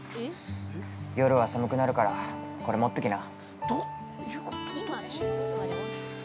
夜は寒くなるから、これ持っときな。